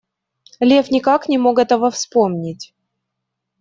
Лев никак не мог этого вспомнить.